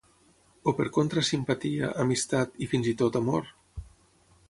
O per contra simpatia, amistat i fins i tot amor?